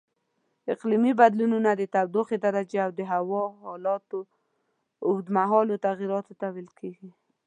اقلیمي بدلونونه د تودوخې درجې او د هوا حالاتو اوږدمهالو تغییراتو ته ویل کېږي.